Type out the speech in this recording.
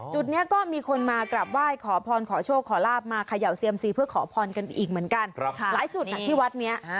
จุดเนี้ยก็มีคนมากลับว่ายขอพรขอโชคขอลาฟมาขยัวเซียมซีเพื่อขอพรกันอีกเหมือนกันครับ